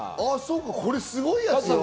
これすごいやつよ？